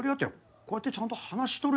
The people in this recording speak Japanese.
こうやってちゃんと話しとるやないか。